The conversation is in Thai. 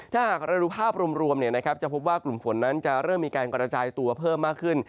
ถ้าหากระดูกภาพรวมรวมเนี้ยนะครับจะพบว่ากลุ่มฝนนั้นจะเริ่มมีการการจ่ายตัวเพิ่มมากขึ้น